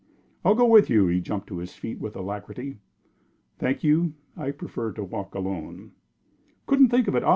"I'll go with you." He jumped to his feet with alacrity. "Thank you. I prefer to walk alone." "Couldn't think of it.